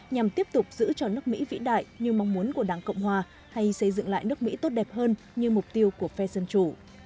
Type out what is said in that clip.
nhằm tiếp tục giữ cho nước mỹ vĩ đại như mong muốn của đảng cộng hòa hay xây dựng lại nước mỹ tốt đẹp hơn như mục tiêu của phe dân chủ